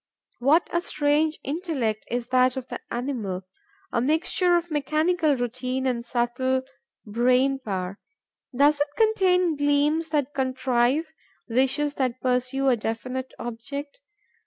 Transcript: What a strange intellect is that of the animal, a mixture of mechanical routine and subtle brain power! Does it contain gleams that contrive, wishes that pursue a definite object?